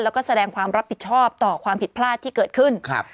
แล้วก็แสดงความรับผิดชอบต่อความผิดพลาดที่เกิดขึ้นครับ